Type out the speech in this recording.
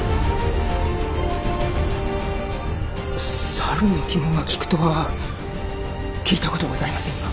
猿の肝が効くとは聞いたことございませぬが。